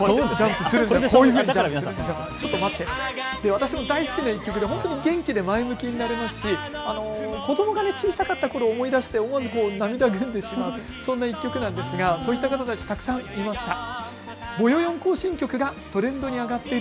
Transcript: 私も大好きな１曲で、本当に元気で前向きになれますし子どもが小さかったころを思い出して思わず涙ぐんでしまうそんな１曲なんですがそういった方たち、たくさんいました。